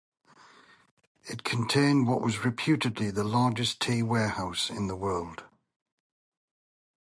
It contained what was reputedly the largest tea warehouse in the world.